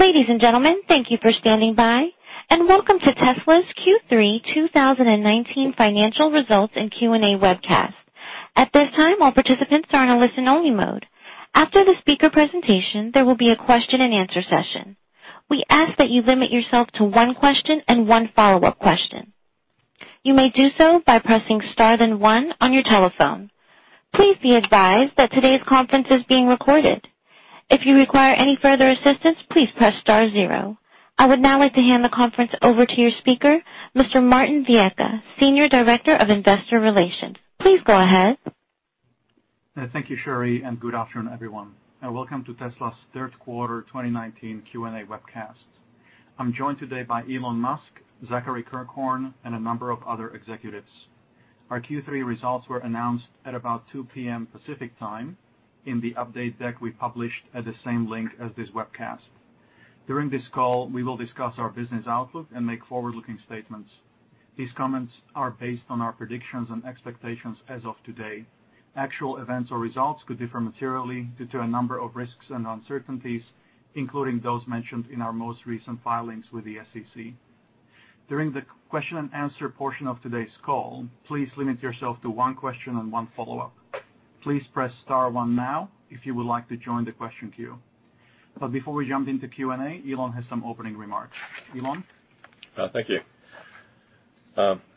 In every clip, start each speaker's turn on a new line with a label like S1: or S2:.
S1: Ladies and gentlemen, thank you for standing by and welcome to Tesla's Q3 2019 financial results and Q&A webcast. At this time, all participants are in a listen-only mode. After the speaker presentation, there will be a question and answer session. We ask that you limit yourself to one question and one follow-up question. You may do so by pressing star then one on your telephone. Please be advised that today's conference is being recorded. If you require any further assistance, please press star zero. I would now like to hand the conference over to your speaker, Mr. Martin Viecha, Senior Director of Investor Relations. Please go ahead.
S2: Thank you, Sherry, and good afternoon, everyone. Welcome to Tesla's third quarter 2019 Q&A webcast. I'm joined today by Elon Musk, Zachary Kirkhorn, and a number of other executives. Our Q3 results were announced at about 2:00 P.M. Pacific Time in the update deck we published at the same link as this webcast. During this call, we will discuss our business outlook and make forward-looking statements. These comments are based on our predictions and expectations as of today. Actual events or results could differ materially due to a number of risks and uncertainties, including those mentioned in our most recent filings with the SEC. During the question and answer portion of today's call, please limit yourself to one question and one follow-up. Please press star one now if you would like to join the question queue. Before we jump into Q&A, Elon has some opening remarks. Elon.
S3: Thank you.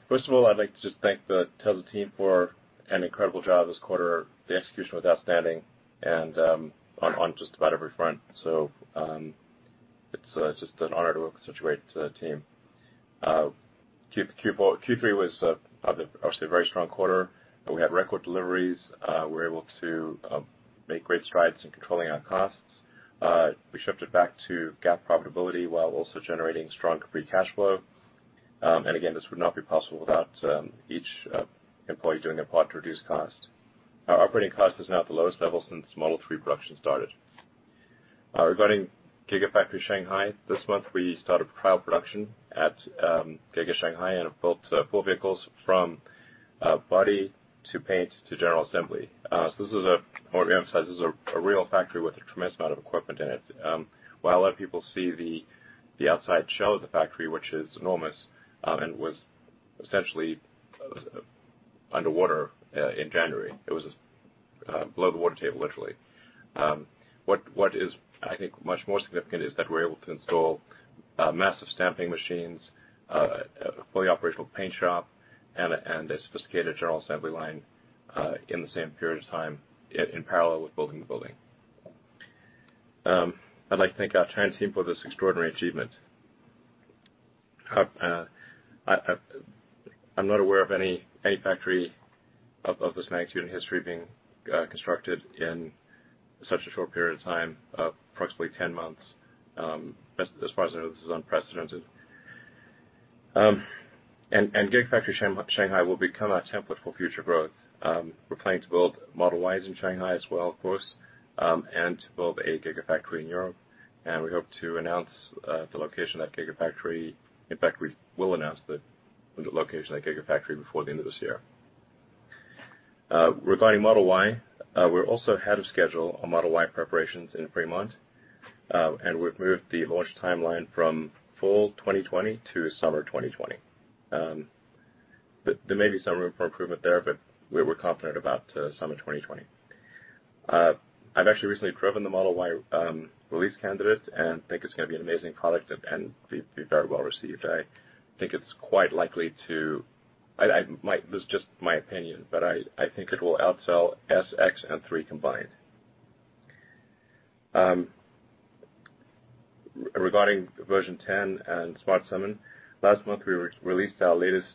S3: First of all, I'd like to just thank the Tesla team for an incredible job this quarter. The execution was outstanding and on just about every front. It's just an honor to work with such a great team. Q3 was obviously a very strong quarter. We had record deliveries. We were able to make great strides in controlling our costs. We shifted back to GAAP profitability while also generating strong free cash flow. Again, this would not be possible without each employee doing their part to reduce cost. Our operating cost is now at the lowest level since Model 3 production started. Regarding Gigafactory Shanghai, this month we started trial production at Giga Shanghai and have built four vehicles from body to paint to general assembly. This is a, I want to emphasize, this is a real factory with a tremendous amount of equipment in it. While a lot of people see the outside shell of the factory, which is enormous and was essentially underwater in January. It was below the water table, literally. What is, I think, much more significant is that we were able to install massive stamping machines, a fully operational paint shop, and a sophisticated general assembly line, in the same period of time in parallel with building the building. I'd like to thank our entire team for this extraordinary achievement. I'm not aware of any factory of this magnitude in history being constructed in such a short period of time, approximately 10 months. As far as I know, this is unprecedented. Gigafactory Shanghai will become our template for future growth. We're planning to build Model Ys in Shanghai as well, of course, and to build a Gigafactory in Europe, and we hope to announce the location of that Gigafactory. In fact, we will announce the location of that Gigafactory before the end of this year. Regarding Model Y, we're also ahead of schedule on Model Y preparations in Fremont, and we've moved the launch timeline from fall 2020 to summer 2020. There may be some room for improvement there, but we're confident about summer 2020. I've actually recently driven the Model Y release candidate and think it's going to be an amazing product and be very well received. I think it's quite likely to, this is just my opinion, but I think it will outsell S, X, and 3 combined. Regarding version 10 and Smart Summon, last month, we released our latest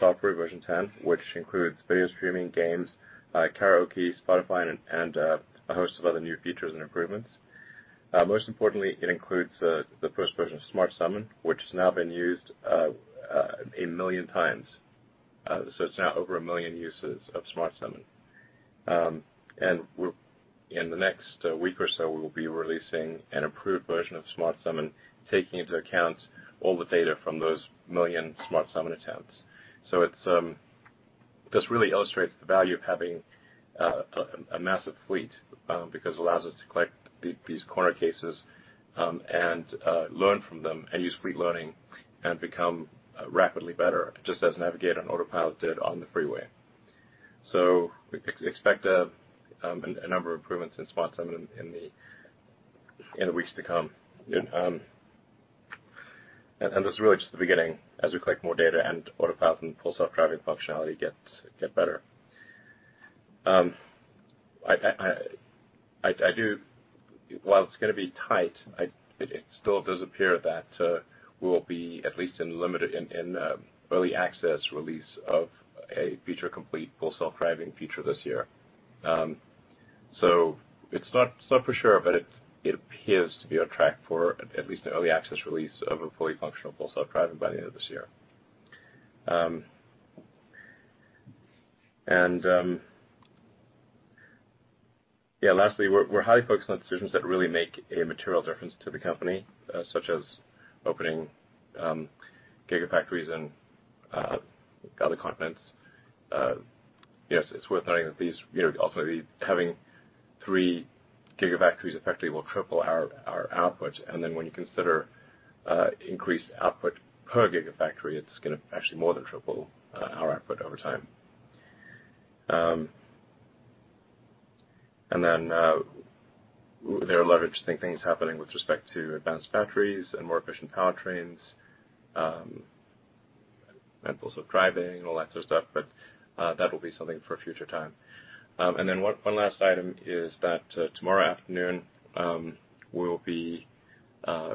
S3: software, version 10, which includes video streaming, games, karaoke, Spotify, and a host of other new features and improvements. Most importantly, it includes the first version of Smart Summon, which has now been used 1 million times. It's now over 1 million uses of Smart Summon. In the next week or so, we will be releasing an improved version of Smart Summon, taking into account all the data from those 1 million Smart Summon attempts. This really illustrates the value of having a massive fleet, because it allows us to collect these corner cases and learn from them and use fleet learning and become rapidly better, just as Navigate on Autopilot did on the freeway. Expect a number of improvements in Smart Summon in the weeks to come. That's really just the beginning as we collect more data and Autopilot and Full Self-Driving functionality get better. While it's going to be tight, it still does appear that we'll be at least in early access release of a feature complete Full Self-Driving feature this year. It's not for sure, but it appears to be on track for at least an early access release of a fully functional Full Self-Driving by the end of this year. Lastly, we're highly focused on decisions that really make a material difference to the company, such as opening Gigafactories in other continents. Yes, it's worth noting that ultimately having three Gigafactories effectively will triple our output. When you consider increased output per Gigafactory, it's going to actually more than triple our output over time. There are a lot of interesting things happening with respect to advanced batteries and more efficient powertrains, methods of driving, and all that sort of stuff, but that will be something for a future time. One last item is that tomorrow afternoon, we'll be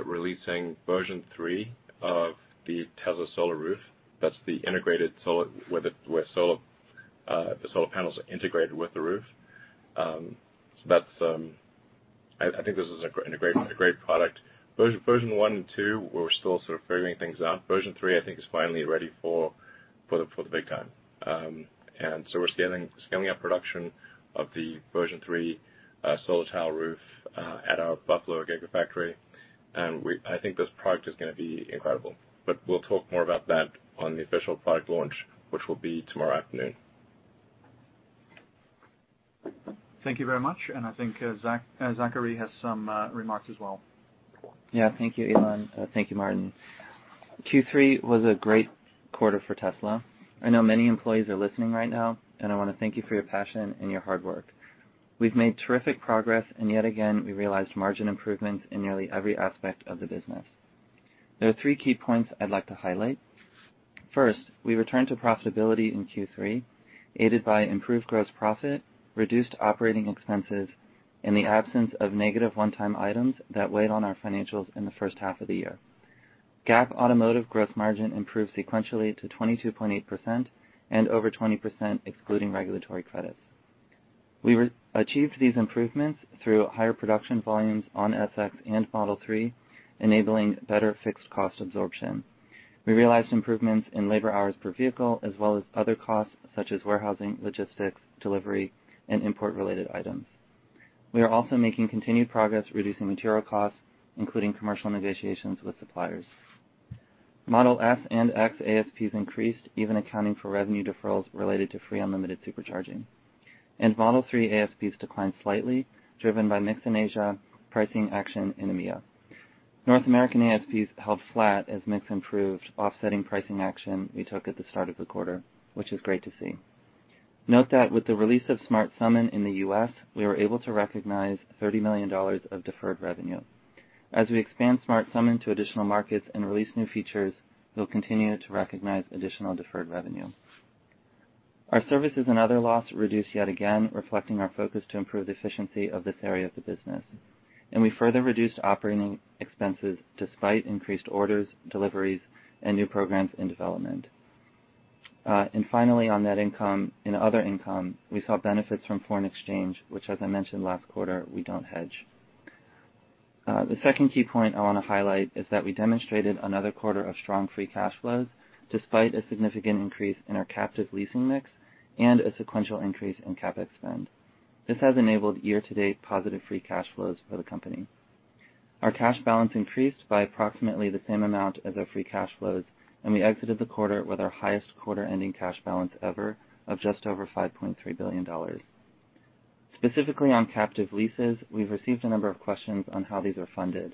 S3: releasing version 3 of the Tesla Solar Roof. That's where the solar panels are integrated with the roof. I think this is a great product. Version 1 and 2, we're still sort of figuring things out. Version 3, I think, is finally ready for the big time. We're scaling up production of the version 3 solar tile roof at our Buffalo Gigafactory. I think this product is going to be incredible. We'll talk more about that on the official product launch, which will be tomorrow afternoon.
S2: Thank you very much, and I think Zachary has some remarks as well.
S4: Yeah. Thank you, Elon. Thank you, Martin. Q3 was a great quarter for Tesla. I know many employees are listening right now, and I want to thank you for your passion and your hard work. We've made terrific progress, and yet again, we realized margin improvements in nearly every aspect of the business. There are three key points I'd like to highlight. First, we returned to profitability in Q3, aided by improved gross profit, reduced operating expenses, and the absence of negative one-time items that weighed on our financials in the first half of the year. GAAP automotive gross margin improved sequentially to 22.8% and over 20% excluding regulatory credits. We achieved these improvements through higher production volumes on S, X, and Model 3, enabling better fixed cost absorption. We realized improvements in labor hours per vehicle as well as other costs such as warehousing, logistics, delivery, and import-related items. We are also making continued progress reducing material costs, including commercial negotiations with suppliers. Model S and X ASPs increased even accounting for revenue deferrals related to free unlimited Supercharging. Model 3 ASPs declined slightly, driven by mix in Asia, pricing action in EMEA. North American ASPs held flat as mix improved, offsetting pricing action we took at the start of the quarter, which is great to see. Note that with the release of Smart Summon in the U.S., we were able to recognize $30 million of deferred revenue. As we expand Smart Summon to additional markets and release new features, we'll continue to recognize additional deferred revenue. Our services and other loss reduced yet again, reflecting our focus to improve the efficiency of this area of the business. We further reduced operating expenses despite increased orders, deliveries, and new programs in development. Finally, on net income and other income, we saw benefits from foreign exchange, which as I mentioned last quarter, we don't hedge. The second key point I want to highlight is that we demonstrated another quarter of strong free cash flows, despite a significant increase in our captive leasing mix and a sequential increase in CapEx spend. This has enabled year-to-date positive free cash flows for the company. Our cash balance increased by approximately the same amount as our free cash flows, we exited the quarter with our highest quarter-ending cash balance ever of just over $5.3 billion. Specifically on captive leases, we've received a number of questions on how these are funded.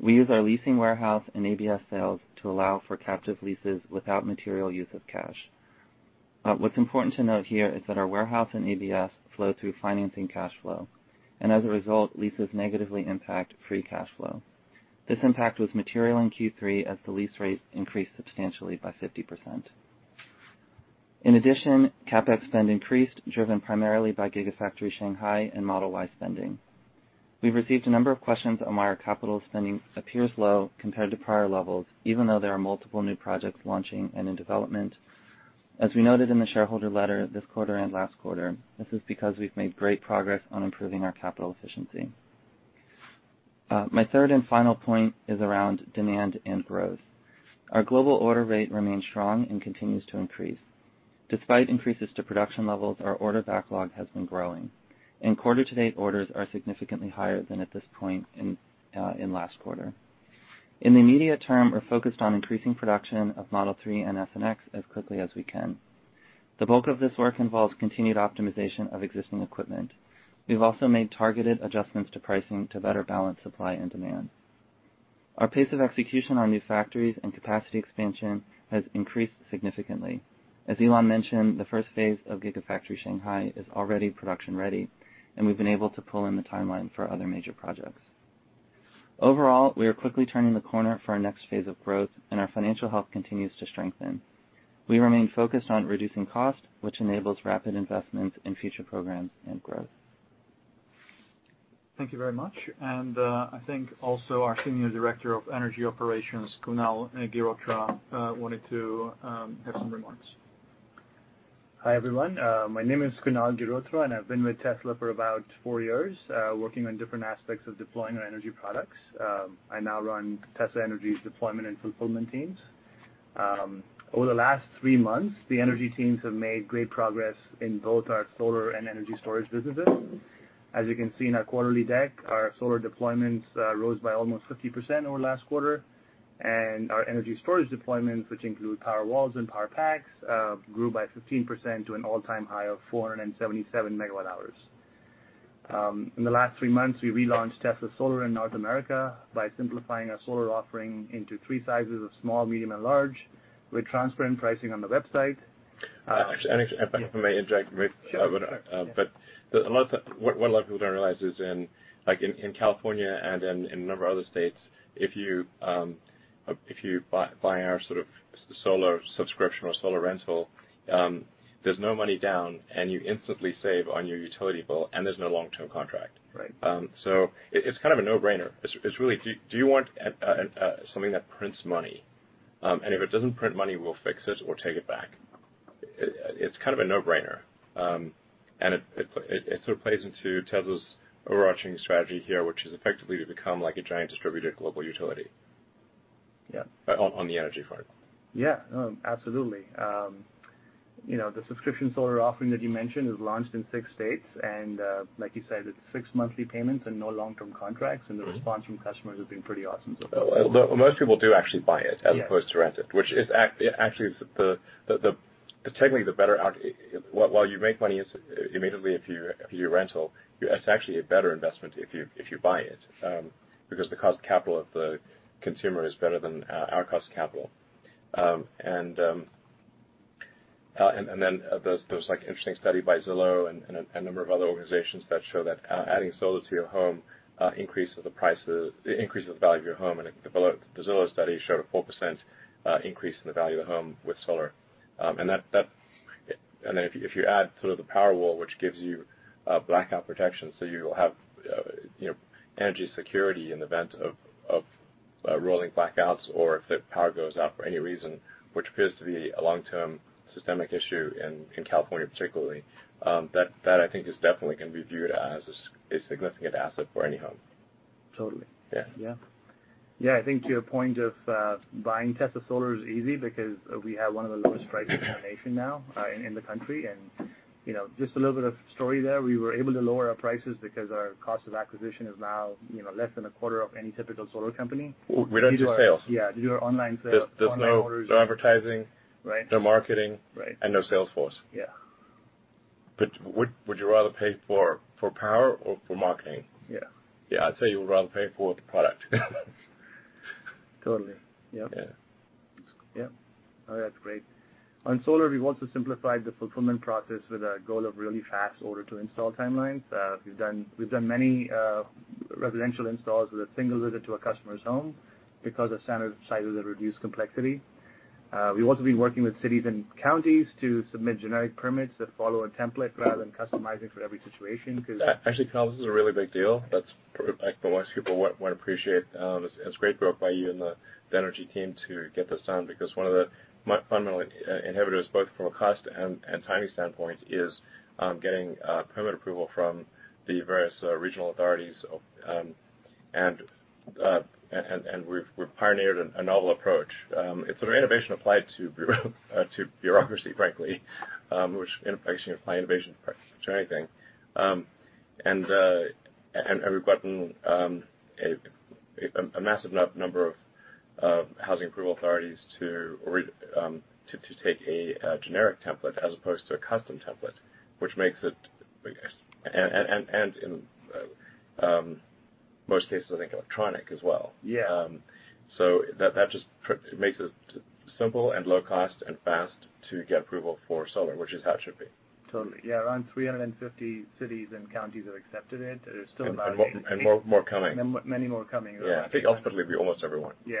S4: We use our leasing warehouse and ABS sales to allow for captive leases without material use of cash. What's important to note here is that our warehouse and ABS flow through financing cash flow, and as a result, leases negatively impact free cash flow. This impact was material in Q3 as the lease rates increased substantially by 50%. In addition, CapEx spend increased, driven primarily by Gigafactory Shanghai and Model Y spending. We've received a number of questions on why our capital spending appears low compared to prior levels, even though there are multiple new projects launching and in development. As we noted in the shareholder letter this quarter and last quarter, this is because we've made great progress on improving our capital efficiency. My third and final point is around demand and growth. Our global order rate remains strong and continues to increase. Despite increases to production levels, our order backlog has been growing. Quarter to date orders are significantly higher than at this point in last quarter. In the immediate term, we're focused on increasing production of Model 3 and S and X as quickly as we can. The bulk of this work involves continued optimization of existing equipment. We've also made targeted adjustments to pricing to better balance supply and demand. Our pace of execution on new factories and capacity expansion has increased significantly. As Elon mentioned, the first phase of Gigafactory Shanghai is already production ready, and we've been able to pull in the timeline for other major projects. Overall, we are quickly turning the corner for our next phase of growth and our financial health continues to strengthen. We remain focused on reducing cost, which enables rapid investments in future programs and growth.
S2: Thank you very much. I think also our Senior Director of Energy Operations, Kunal Girotra, wanted to have some remarks.
S5: Hi, everyone. My name is Kunal Girotra. I've been with Tesla for about four years, working on different aspects of deploying our energy products. I now run Tesla Energy's deployment and fulfillment teams. Over the last three months, the energy teams have made great progress in both our solar and energy storage businesses. As you can see in our quarterly deck, our solar deployments rose by almost 50% over last quarter. Our energy storage deployments, which include Powerwalls and Powerpacks, grew by 15% to an all-time high of 477 MWh. In the last three months, we relaunched Tesla Solar in North America by simplifying our solar offering into three sizes of small, medium, and large, with transparent pricing on the website.
S3: Actually, if I may interject.
S5: Sure.
S3: What a lot of people don't realize is in California and in a number of other states, if you buy our sort of solar subscription or solar rental, there's no money down, and you instantly save on your utility bill, and there's no long-term contract.
S5: Right.
S3: It's kind of a no-brainer. It's really, do you want something that prints money? If it doesn't print money, we'll fix it or take it back. It's kind of a no-brainer. It sort of plays into Tesla's overarching strategy here, which is effectively to become a giant distributor global utility.
S5: Yeah.
S3: On the energy front.
S5: Yeah, absolutely. The subscription solar offering that you mentioned is launched in six states, and, like you said, it is six monthly payments and no long-term contracts. The response from customers has been pretty awesome so far.
S3: Most people do actually buy it.
S5: Yes
S3: as opposed to rent it, which is actually, technically the better. While you make money immediately if you rent it's actually a better investment if you buy it, because the cost of capital of the consumer is better than our cost of capital. There was like interesting study by Zillow and a number of other organizations that show that adding solar to your home increases the value of your home, and the Zillow study showed a 4% increase in the value of the home with solar. If you add the Powerwall, which gives you blackout protection so you'll have energy security in the event of rolling blackouts or if the power goes out for any reason, which appears to be a long-term systemic issue in California particularly. That I think is definitely going to be viewed as a significant asset for any home.
S5: Totally.
S3: Yeah.
S5: Yeah. Yeah, I think to your point of buying Tesla Solar is easy because we have one of the lowest prices in the nation now, in the country. Just a little bit of story there. We were able to lower our prices because our cost of acquisition is now less than a quarter of any typical solar company.
S3: We don't do sales.
S5: Yeah, we do our online sales.
S3: There's no advertising.
S5: Right.
S3: No marketing.
S5: Right.
S3: No sales force.
S5: Yeah.
S3: Would you rather pay for power or for marketing?
S5: Yeah.
S3: Yeah, I'd say you would rather pay for the product.
S5: Totally. Yep.
S3: Yeah.
S5: Yep. No, that's great. On solar, we've also simplified the fulfillment process with a goal of really fast order to install timelines. We've done many residential installs with a single visit to a customer's home because of standard sizes that reduce complexity. We've also been working with cities and counties to submit generic permits that follow a template rather than customizing for every situation.
S3: Actually, Kunal, this is a really big deal. Most people won't appreciate. It's great work by you and the energy team to get this done because one of the fundamental inhibitors, both from a cost and timing standpoint, is getting permit approval from the various regional authorities. We've pioneered a novel approach. It's innovation applied to bureaucracy frankly, which in applies innovation to anything. We've gotten a massive number of housing approval authorities to take a generic template as opposed to a custom template, which makes it And in most cases, I think electronic as well.
S5: Yeah.
S3: That just makes it simple and low cost and fast to get approval for solar, which is how it should be.
S5: Totally. Yeah. Around 350 cities and counties have accepted it.
S3: More coming.
S5: Many more coming.
S3: Yeah. I think ultimately it'll be almost everyone.
S5: We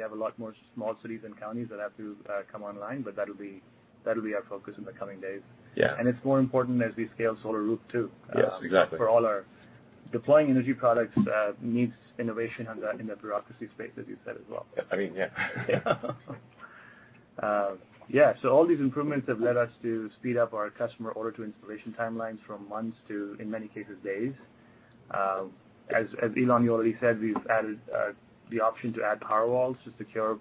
S5: have a lot more small cities and counties that have to come online, but that'll be our focus in the coming days.
S3: Yeah.
S5: It's more important as we scale Solar Roof, too.
S3: Yes, exactly.
S5: For all our deploying energy products needs innovation in the bureaucracy space, as you said, as well.
S3: I mean, yeah.
S5: Yeah. All these improvements have led us to speed up our customer order to installation timelines from months to, in many cases, days. Elon, you already said, we've added the option to add Powerwalls to secure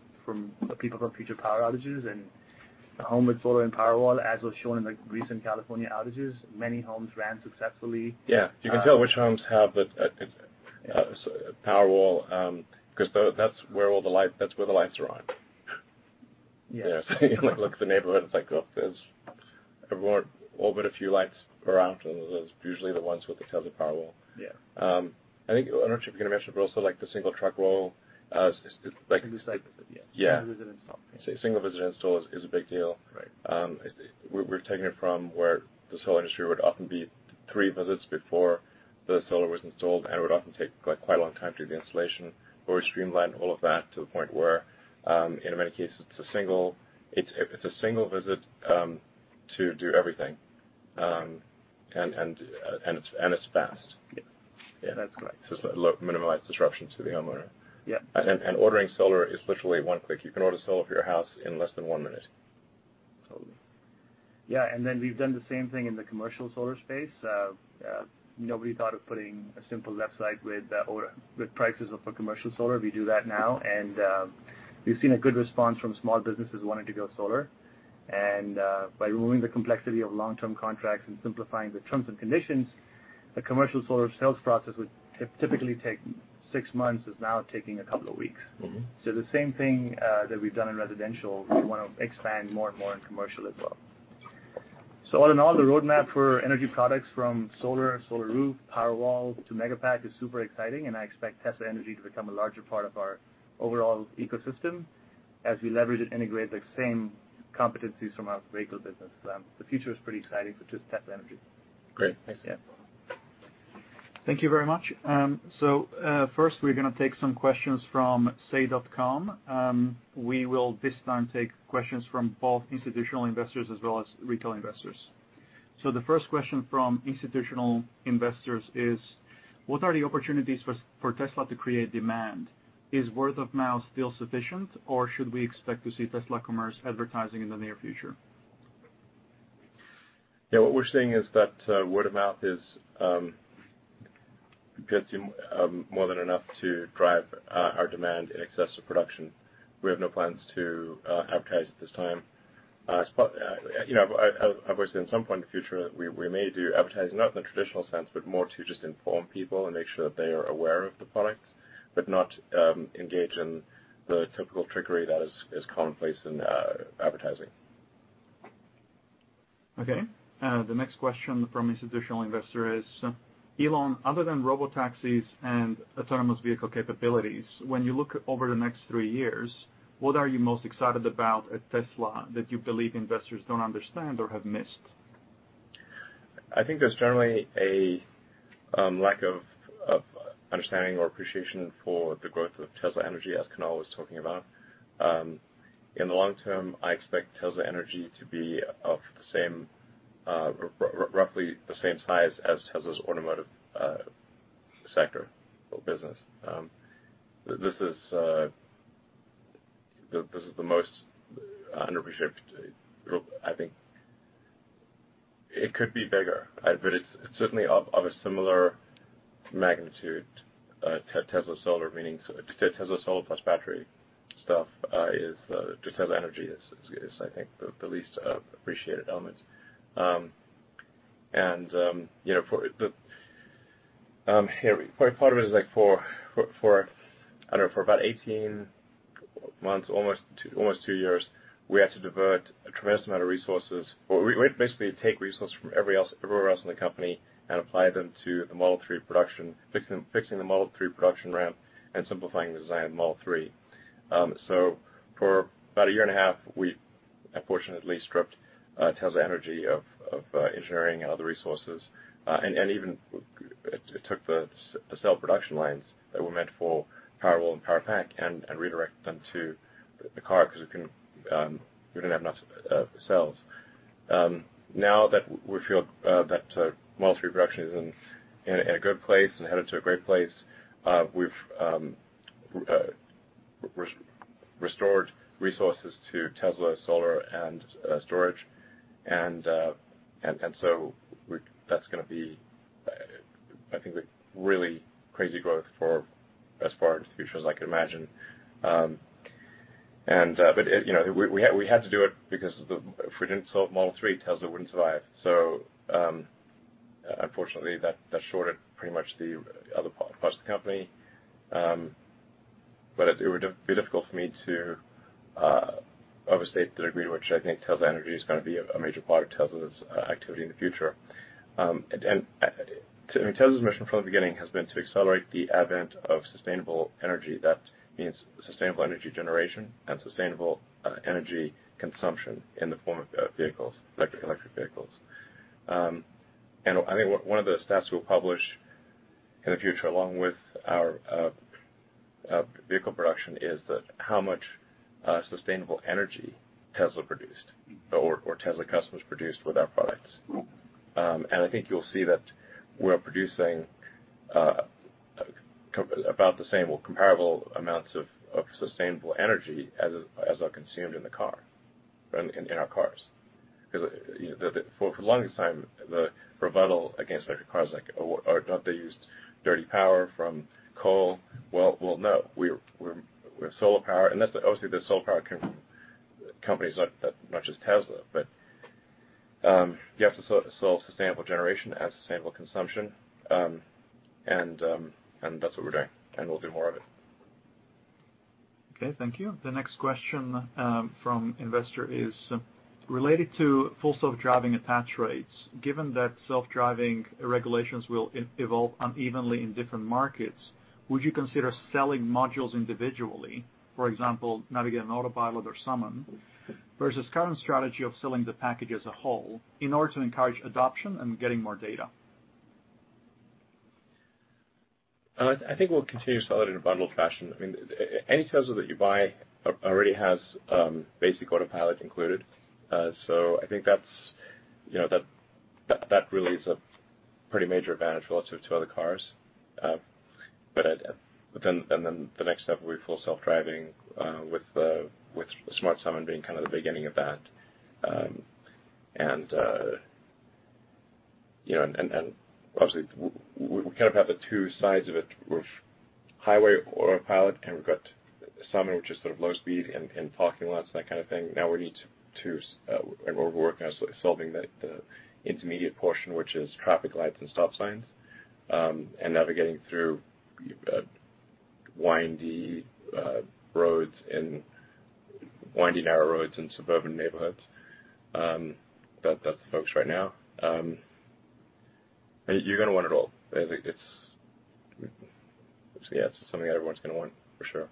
S5: people from future power outages. A home with solar and Powerwall, as was shown in the recent California outages, many homes ran successfully.
S3: Yeah. You can tell which homes have a Powerwall, because that's where the lights are on.
S5: Yeah.
S3: You look at the neighborhood, it's like, oh, there's all but a few lights are out, and it's usually the ones with the Tesla Powerwall.
S5: Yeah.
S3: I think, I'm not sure if you're going to mention, but also like the single truck roll.
S5: Single site visit, yeah.
S3: Yeah.
S5: Single visit install.
S3: Single visit install is a big deal.
S5: Right.
S3: We're taking it from where the solar industry would often be three visits before the solar was installed and would often take quite a long time to do the installation. We streamlined all of that to the point where, in many cases, it's a single visit to do everything. It's fast.
S5: Yeah. That's correct.
S3: It's minimalized disruptions to the homeowner.
S5: Yeah.
S3: Ordering solar is literally one click. You can order solar for your house in less than one minute.
S5: Totally. Yeah, then we've done the same thing in the commercial solar space. Nobody thought of putting a simple website with prices of commercial solar. We do that now. We've seen a good response from small businesses wanting to go solar. By removing the complexity of long-term contracts and simplifying the terms and conditions, the commercial solar sales process, which typically take six months, is now taking a couple of weeks. The same thing that we've done in residential, we want to expand more and more in commercial as well. All in all, the roadmap for energy products from solar, Solar Roof, Powerwall to Megapack is super exciting, and I expect Tesla Energy to become a larger part of our overall ecosystem as we leverage and integrate the same competencies from our vehicle business. The future is pretty exciting for just Tesla Energy.
S2: Great. Thanks.
S5: Yeah.
S2: Thank you very much. First, we're going to take some questions from say.com. We will this time take questions from both institutional investors as well as retail investors. The first question from institutional investors is, what are the opportunities for Tesla to create demand? Is word of mouth still sufficient, or should we expect to see Tesla commerce advertising in the near future?
S3: Yeah. What we're seeing is that word of mouth gets you more than enough to drive our demand in excess of production. We have no plans to advertise at this time. Obviously at some point in the future, we may do advertising, not in the traditional sense, but more to just inform people and make sure that they are aware of the product, but not engage in the typical trickery that is commonplace in advertising.
S2: Okay. The next question from institutional investor is, Elon, other than robotaxis and autonomous vehicle capabilities, when you look over the next three years, what are you most excited about at Tesla that you believe investors don't understand or have missed?
S3: I think there's generally a lack of understanding or appreciation for the growth of Tesla Energy, as Kunal was talking about. In the long term, I expect Tesla Energy to be roughly the same size as Tesla's automotive sector or business. This is the most underappreciated group, I think. It could be bigger, but it's certainly of a similar magnitude to Tesla Solar. Tesla Solar plus battery stuff is, just Tesla Energy is, I think, the least appreciated element. Part of it is for about 18 months, almost two years, we had to divert a tremendous amount of resources, or basically take resources from everywhere else in the company and apply them to the Model 3 production, fixing the Model 3 production ramp and simplifying the design of Model 3. For about a year and a half, we unfortunately stripped Tesla Energy of engineering and other resources, and even took the cell production lines that were meant for Powerwall and Powerpack and redirect them to the car because we didn't have enough cells. Now that we feel that Model 3 production is in a good place and headed to a great place, we've restored resources to Tesla Solar and Storage. That's going to be, I think really crazy growth for as far into the future as I can imagine. We had to do it because if we didn't sell Model 3, Tesla wouldn't survive. Unfortunately that shorted pretty much the other parts of the company. It would be difficult for me to overstate the degree to which I think Tesla Energy is going to be a major part of Tesla's activity in the future. Tesla's mission from the beginning has been to accelerate the advent of sustainable energy. That means sustainable energy generation and sustainable energy consumption in the form of electric vehicles. I think one of the stats we'll publish in the future, along with our vehicle production, is that how much sustainable energy Tesla produced or Tesla customers produced with our products. I think you'll see that we're producing about the same or comparable amounts of sustainable energy as are consumed in our cars. For the longest time, the rebuttal against electric cars, like, "Oh, don't they use dirty power from coal?" Well, no. We have solar power and obviously the solar power companies are not just Tesla, but yes, sustainable generation and sustainable consumption. That's what we're doing, and we'll do more of it.
S2: Okay. Thank you. The next question from investor is related to Full Self-Driving attach rates. Given that self-driving regulations will evolve unevenly in different markets, would you consider selling modules individually, for example, Navigate on Autopilot or Summon, versus current strategy of selling the package as a whole in order to encourage adoption and getting more data?
S3: I think we'll continue to sell it in a bundled fashion. Any Tesla that you buy already has basic Autopilot included. I think that really is a pretty major advantage relative to other cars. The next step will be Full Self-Driving, with Smart Summon being the beginning of that. Obviously, we kind of have the two sides of it with highway Autopilot, and we've got Summon, which is low speed in parking lots and that kind of thing. Now we need to, and we're working on solving the intermediate portion, which is traffic lights and stop signs, and navigating through windy narrow roads in suburban neighborhoods. That's the focus right now. You're going to want it all. It's something everyone's going to want, for sure.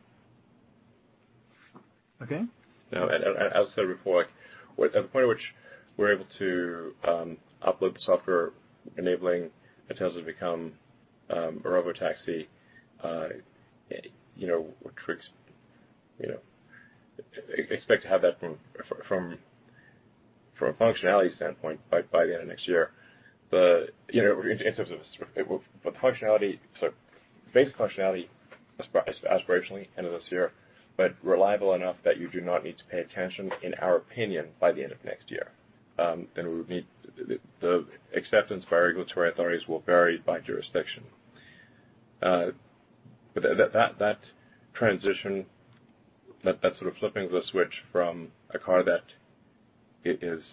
S2: Okay.
S3: As I said before, the point at which we're able to upload the software enabling a Tesla to become a robotaxi, expect to have that from a functionality standpoint by the end of next year. In terms of the functionality, so basic functionality, aspirationally, end of this year, but reliable enough that you do not need to pay attention, in our opinion, by the end of next year. The acceptance by regulatory authorities will vary by jurisdiction. That transition, that sort of flipping of the switch from a car that is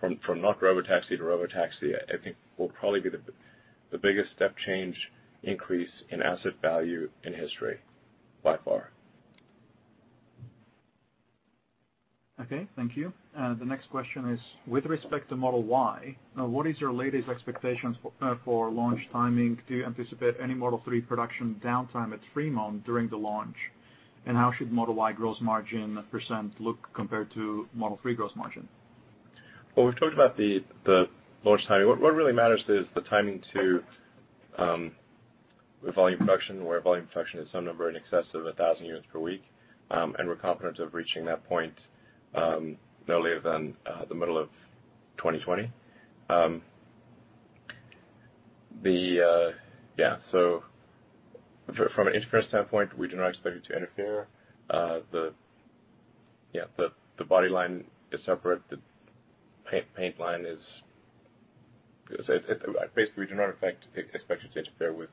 S3: from not robotaxi to robotaxi, I think will probably be the biggest step change increase in asset value in history, by far.
S2: Okay, thank you. The next question is, with respect to Model Y, what is your latest expectations for launch timing? Do you anticipate any Model 3 production downtime at Fremont during the launch? How should Model Y gross margin % look compared to Model 3 gross margin?
S3: Well, we've talked about the launch timing. What really matters is the timing to the volume production, where volume production is some number in excess of 1,000 units per week, and we're confident of reaching that point no later than the middle of 2020. From an inference standpoint, we do not expect it to interfere. The body line is separate, the paint line is Basically, we do not expect it to interfere with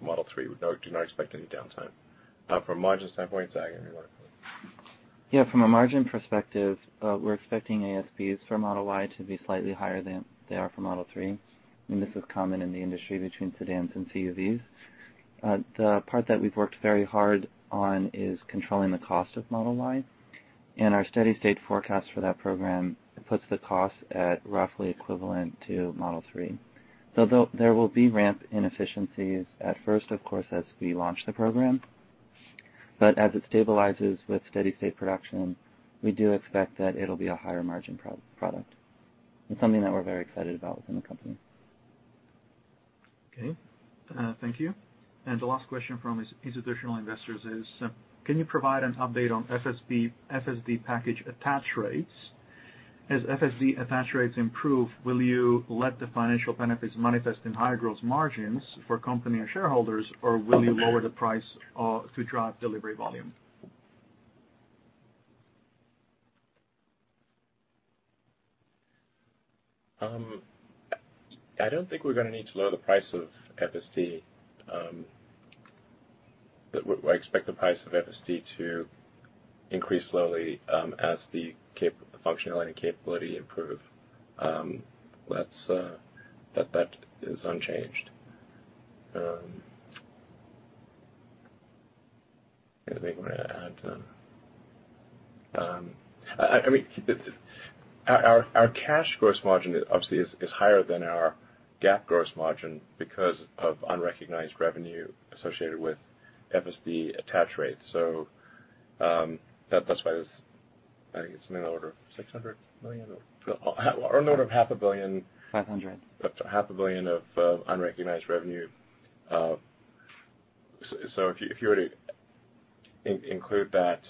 S3: Model 3. We do not expect any downtime. From a margins standpoint, Zach, anything you want to add?
S4: From a margin perspective, we're expecting ASPs for Model Y to be slightly higher than they are for Model 3, and this is common in the industry between sedans and CUVs. The part that we've worked very hard on is controlling the cost of Model Y, and our steady state forecast for that program puts the cost at roughly equivalent to Model 3. There will be ramp inefficiencies at first, of course, as we launch the program, but as it stabilizes with steady state production, we do expect that it'll be a higher margin product. It's something that we're very excited about within the company.
S2: Okay. Thank you. The last question from institutional investors is, can you provide an update on FSD package attach rates? As FSD attach rates improve, will you let the financial benefits manifest in higher gross margins for company and shareholders, or will you lower the price to drive delivery volume?
S3: I don't think we're going to need to lower the price of FSD. I expect the price of FSD to increase slowly as the functionality and capability improve. That is unchanged. Anything you want to add to that? Our cash gross margin obviously is higher than our GAAP gross margin because of unrecognized revenue associated with FSD attach rates. That's why there's, I think it's on the order of $600 million or on the order of half a billion dollars.
S4: 500
S3: half a billion of unrecognized revenue. If you were to include that,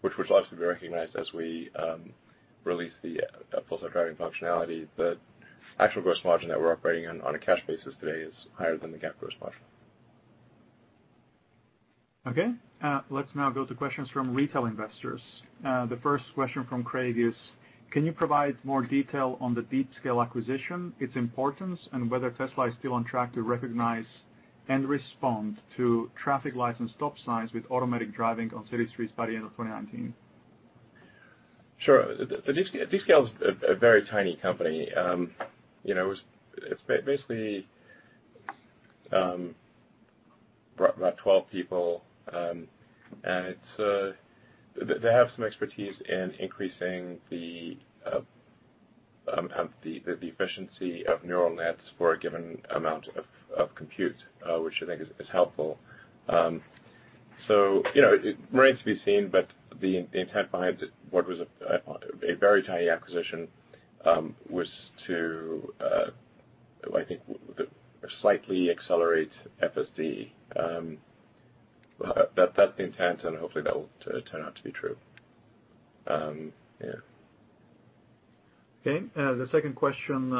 S3: which will obviously be recognized as we release the Full Self-Driving functionality, the actual gross margin that we're operating on a cash basis today, is higher than the GAAP gross margin.
S2: Okay. Let's now go to questions from retail investors. The first question from Craig is, can you provide more detail on the DeepScale acquisition, its importance, and whether Tesla is still on track to recognize and respond to traffic lights and stop signs with automatic driving on city streets by the end of 2019?
S3: Sure. DeepScale is a very tiny company. It's basically about 12 people, and they have some expertise in increasing the efficiency of neural nets for a given amount of compute, which I think is helpful. It remains to be seen, but the intent behind what was a very tiny acquisition was to, I think, slightly accelerate FSD. That's the intent, and hopefully that will turn out to be true. Yeah.
S2: Okay. The second question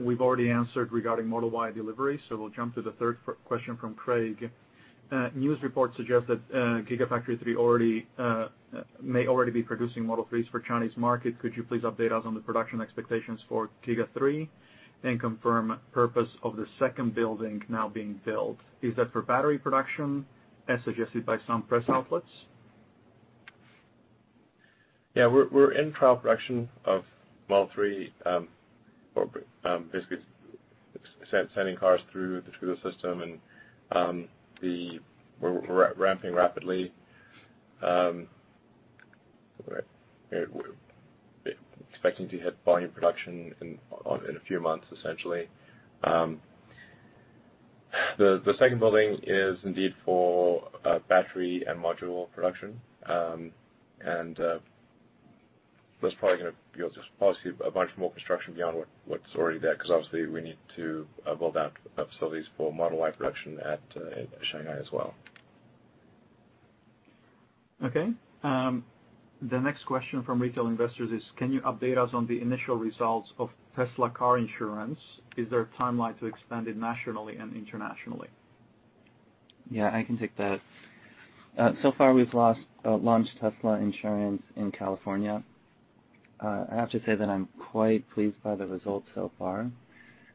S2: we've already answered regarding Model Y delivery, so we'll jump to the third question from Craig. News reports suggest that Gigafactory 3 may already be producing Model 3s for Chinese market. Could you please update us on the production expectations for Giga 3 and confirm purpose of the second building now being built? Is that for battery production as suggested by some press outlets?
S3: Yeah, we're in trial production of Model 3, basically sending cars through the system and we're ramping rapidly. We're expecting to hit volume production in a few months, essentially. The second building is indeed for battery and module production. There's probably going to be a bunch more construction beyond what's already there, because obviously we need to build out facilities for Model Y production at Shanghai as well.
S2: Okay. The next question from retail investors is, can you update us on the initial results of Tesla Insurance? Is there a timeline to expand it nationally and internationally?
S4: Yeah, I can take that. Far, we've launched Tesla Insurance in California. I have to say that I'm quite pleased by the results so far.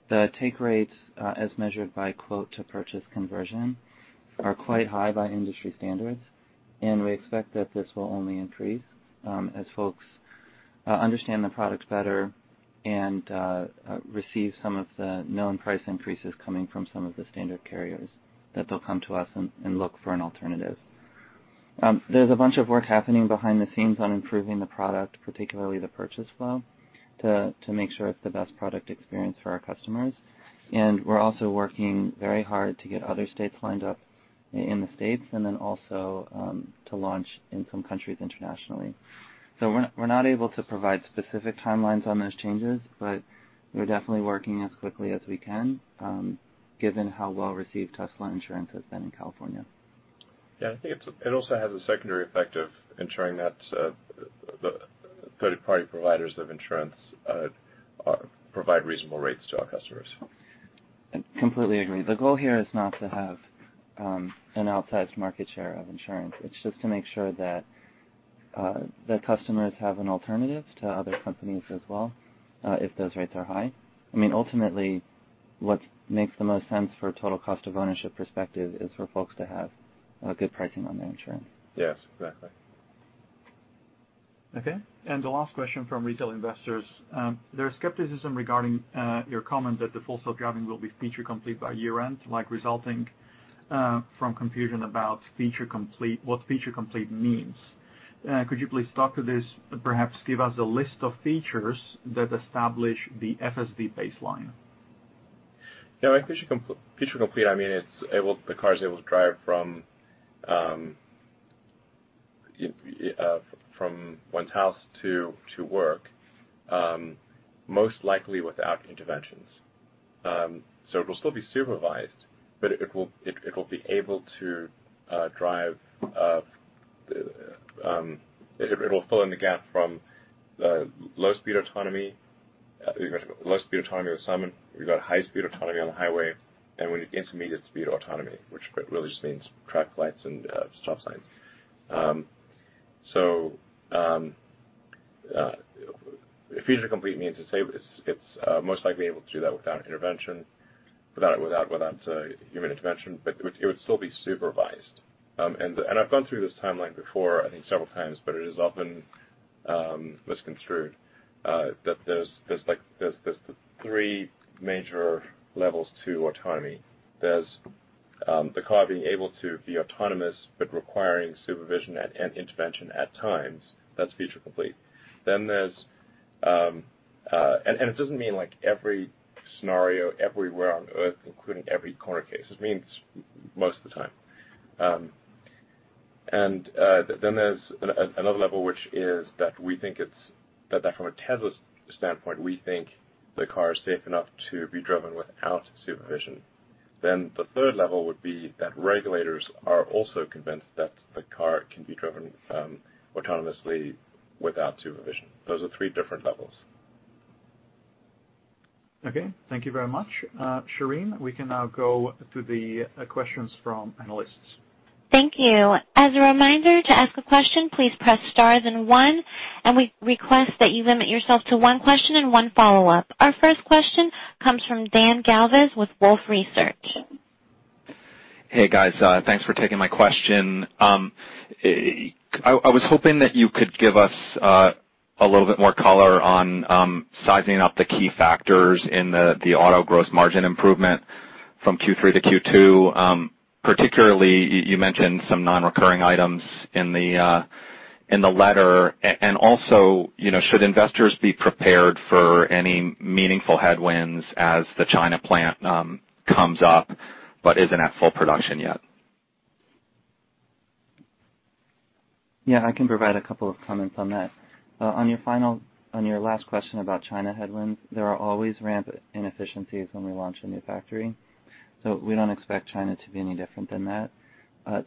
S4: The take rates, as measured by quote to purchase conversion, are quite high by industry standards, and we expect that this will only increase as folks understand the products better and receive some of the known price increases coming from some of the standard carriers, that they'll come to us and look for an alternative. There's a bunch of work happening behind the scenes on improving the product, particularly the purchase flow, to make sure it's the best product experience for our customers. We're also working very hard to get other states lined up in the States and then also to launch in some countries internationally. We're not able to provide specific timelines on those changes, but we're definitely working as quickly as we can given how well-received Tesla Insurance has been in California.
S3: Yeah, I think it also has a secondary effect of ensuring that the third-party providers of insurance provide reasonable rates to our customers.
S4: I completely agree. The goal here is not to have an outsized market share of insurance. It's just to make sure that the customers have an alternative to other companies as well, if those rates are high. Ultimately, what makes the most sense for a total cost of ownership perspective is for folks to have good pricing on their insurance.
S3: Yes, exactly.
S2: Okay. The last question from retail investors. There is skepticism regarding your comment that the Full Self-Driving will be feature complete by year-end, like resulting from confusion about what feature complete means. Could you please talk to this, perhaps give us a list of features that establish the FSD baseline?
S3: Yeah, by feature complete, I mean the car is able to drive from one's house to work most likely without interventions. It will still be supervised, but it will fill in the gap from the low-speed autonomy with Summon, we've got high-speed autonomy on the highway, and we need intermediate speed autonomy, which really just means traffic lights and stop signs. Feature complete means it's most likely able to do that without human intervention, but it would still be supervised. I've gone through this timeline before, I think, several times, but it is often misconstrued, that there's three major levels to autonomy. There's the car being able to be autonomous but requiring supervision and intervention at times. That's feature complete. It doesn't mean every scenario everywhere on Earth, including every corner case. This means most of the time. There's another level, which is that from a Tesla standpoint, we think the car is safe enough to be driven without supervision. The third level would be that regulators are also convinced that the car can be driven autonomously without supervision. Those are three different levels.
S2: Okay, thank you very much. Shireen, we can now go to the questions from analysts.
S1: Thank you. As a reminder to ask a question, please press star then one, we request that you limit yourself to one question and one follow-up. Our first question comes from Dan Galves with Wolfe Research.
S6: Hey, guys. Thanks for taking my question. I was hoping that you could give us a little bit more color on sizing up the key factors in the auto gross margin improvement from Q3 to Q2. Particularly, you mentioned some non-recurring items in the letter. Also, should investors be prepared for any meaningful headwinds as the China plant comes up but isn't at full production yet?
S4: I can provide a couple of comments on that. Your last question about China headwinds, there are always ramp inefficiencies when we launch a new factory. We don't expect China to be any different than that.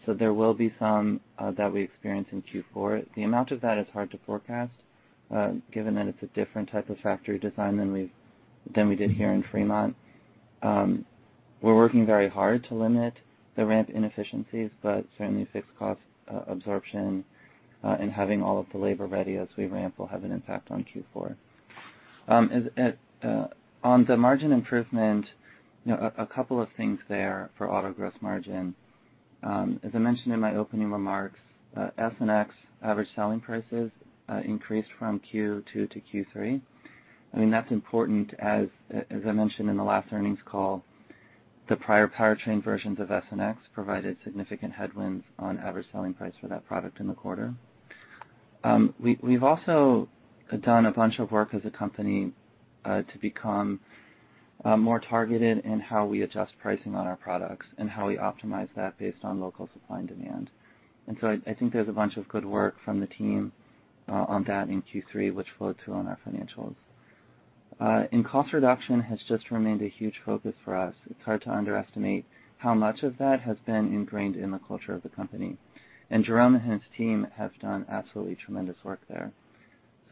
S4: There will be some that we experience in Q4. The amount of that is hard to forecast, given that it's a different type of factory design than we did here in Fremont. We're working very hard to limit the ramp inefficiencies, but certainly fixed cost absorption, and having all of the labor ready as we ramp will have an impact on Q4. The margin improvement, a couple of things there for auto gross margin. As I mentioned in my opening remarks, S and X average selling prices increased from Q2 to Q3. That's important as I mentioned in the last earnings call, the prior powertrain versions of S and X provided significant headwinds on average selling price for that product in the quarter. We've also done a bunch of work as a company to become more targeted in how we adjust pricing on our products and how we optimize that based on local supply and demand. I think there's a bunch of good work from the team on that in Q3, which flowed through on our financials. Cost reduction has just remained a huge focus for us. It's hard to underestimate how much of that has been ingrained in the culture of the company. Jerome and his team have done absolutely tremendous work there.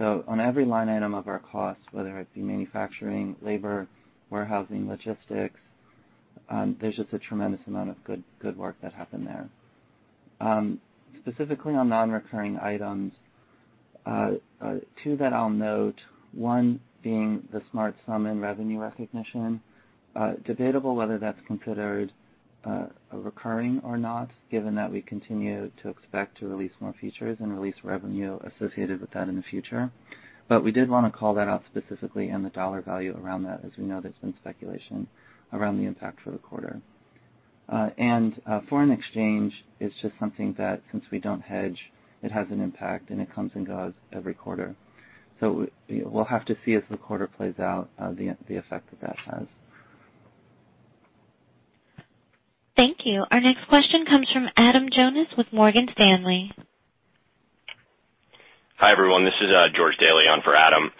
S4: On every line item of our costs, whether it be manufacturing, labor, warehousing, logistics, there's just a tremendous amount of good work that happened there. Specifically on non-recurring items, two that I'll note, one being the Smart Summon revenue recognition. Debatable whether that's considered recurring or not, given that we continue to expect to release more features and release revenue associated with that in the future. We did want to call that out specifically and the dollar value around that, as we know there's been speculation around the impact for the quarter. Foreign exchange is just something that since we don't hedge, it has an impact and it comes and goes every quarter. We'll have to see as the quarter plays out, the effect that has.
S1: Thank you. Our next question comes from Adam Jonas with Morgan Stanley.
S7: Hi, everyone. This is George Dailey on for Adam.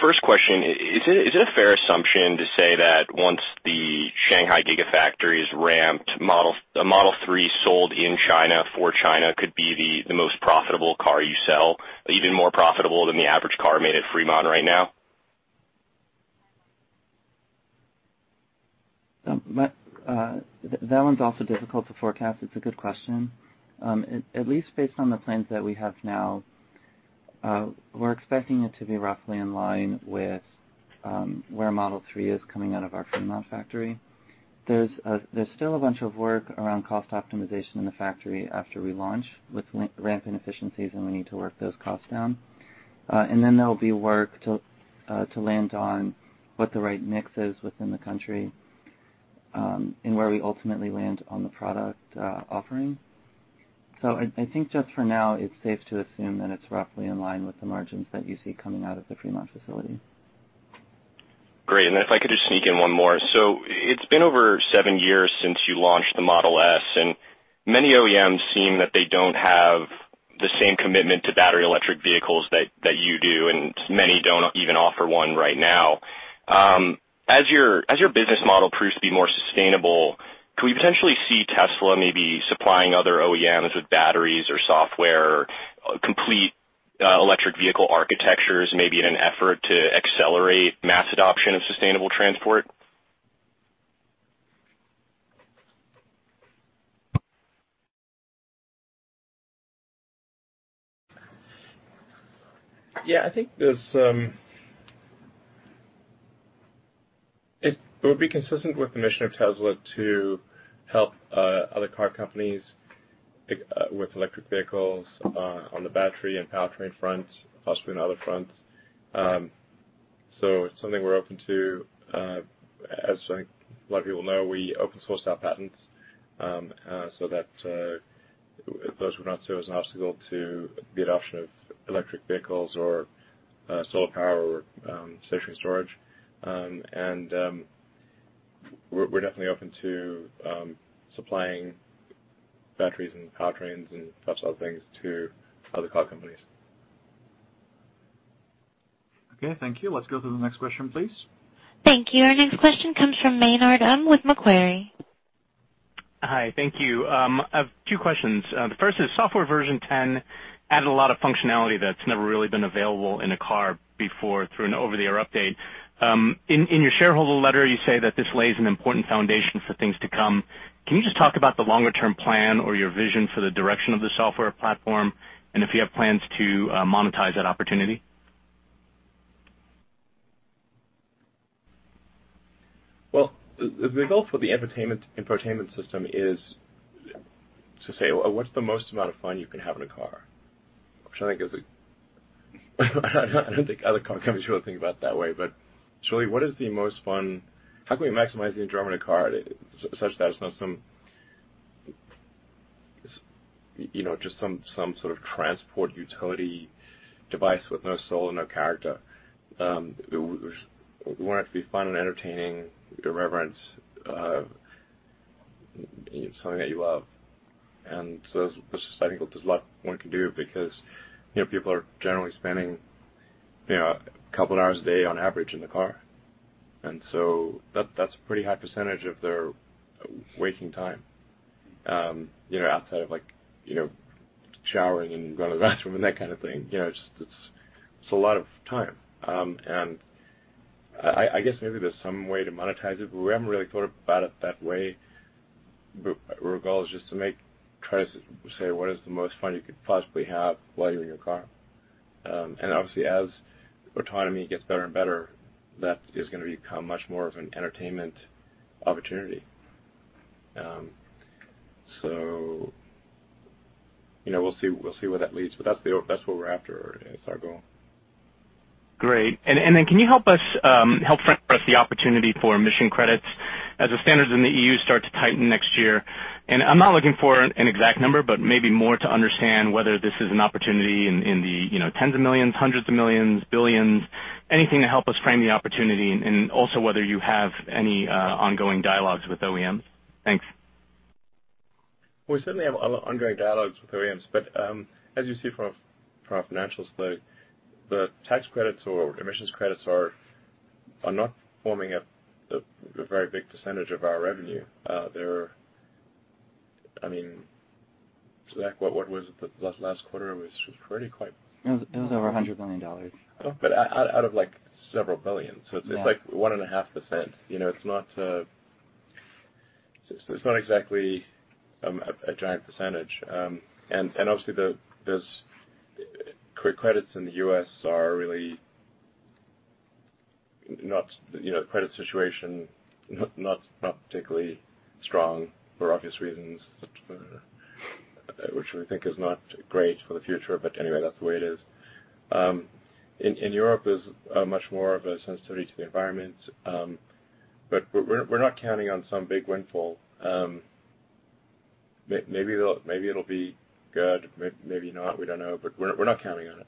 S7: First question, is it a fair assumption to say that once the Shanghai Gigafactory is ramped, a Model 3 sold in China for China could be the most profitable car you sell, even more profitable than the average car made at Fremont right now?
S4: That one's also difficult to forecast. It's a good question. At least based on the plans that we have now, we're expecting it to be roughly in line with where Model 3 is coming out of our Fremont factory. There's still a bunch of work around cost optimization in the factory after we launch with ramp inefficiencies, and we need to work those costs down. Then there'll be work to land on what the right mix is within the country, and where we ultimately land on the product offering. I think just for now, it's safe to assume that it's roughly in line with the margins that you see coming out of the Fremont facility.
S7: Great. If I could just sneak in one more. It's been over seven years since you launched the Model S, and many OEMs seem that they don't have the same commitment to battery electric vehicles that you do, and many don't even offer one right now. As your business model proves to be more sustainable, could we potentially see Tesla maybe supplying other OEMs with batteries or software, complete electric vehicle architectures, maybe in an effort to accelerate mass adoption of sustainable transport?
S3: Yeah, I think it would be consistent with the mission of Tesla to help other car companies with electric vehicles on the battery and powertrain front, possibly on other fronts. It's something we're open to. As a lot of people know, we open source our patents, those would not serve as an obstacle to the adoption of electric vehicles or solar power or stationary storage. We're definitely open to supplying batteries and powertrains and other things to other car companies.
S2: Okay, thank you. Let's go to the next question, please.
S1: Thank you. Our next question comes from Maynard Um with Macquarie.
S8: Hi. Thank you. I have two questions. The first is software version 10 added a lot of functionality that's never really been available in a car before through an over-the-air update. In your shareholder letter, you say that this lays an important foundation for things to come. Can you just talk about the longer-term plan or your vision for the direction of the software platform, and if you have plans to monetize that opportunity?
S3: Well, the goal for the infotainment system is to say, "What's the most amount of fun you can have in a car?" Which I don't think other car companies really think about it that way, but it's really how can we maximize the enjoyment of a car such that it's not some sort of transport utility device with no soul, no character. We want it to be fun and entertaining, irreverent. something that you love. I think there's a lot one can do because people are generally spending a couple of hours a day on average in the car. That's a pretty high percentage of their waking time. Outside of showering and going to the bathroom and that kind of thing, it's a lot of time. I guess maybe there's some way to monetize it, but we haven't really thought about it that way. Our goal is just to try to say what is the most fun you could possibly have while you're in your car. Obviously as autonomy gets better and better, that is going to become much more of an entertainment opportunity. We'll see where that leads, but that's what we're after. It's our goal.
S8: Great. Can you help frame for us the opportunity for emission credits as the standards in the EU start to tighten next year? I'm not looking for an exact number, but maybe more to understand whether this is an opportunity in the tens of millions, hundreds of millions, billions. Anything to help us frame the opportunity and also whether you have any ongoing dialogues with OEMs. Thanks.
S3: We certainly have ongoing dialogues with OEMs, but, as you see from our financials, the tax credits or emissions credits are not forming a very big percentage of our revenue. Zach, what was it last quarter?
S4: It was over $100 million.
S3: Oh, out of several billion.
S4: Yeah.
S3: It's like one and a half%. It's not exactly a giant percentage. Obviously the credit situation, not particularly strong for obvious reasons, which we think is not great for the future. Anyway, that's the way it is. In Europe, there's much more of a sensitivity to the environment. We're not counting on some big windfall. Maybe it'll be good, maybe not, we don't know, but we're not counting on it.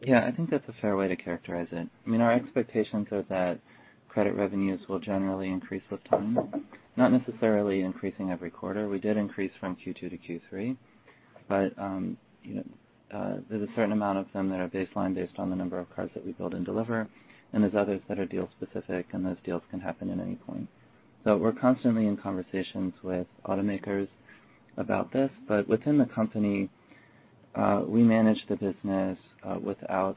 S4: Yeah, I think that's a fair way to characterize it. Our expectations are that credit revenues will generally increase with time, not necessarily increasing every quarter. We did increase from Q2 to Q3, but there's a certain amount of them that are baseline based on the number of cars that we build and deliver, and there's others that are deal specific, and those deals can happen at any point. We're constantly in conversations with automakers about this, but within the company, we manage the business, without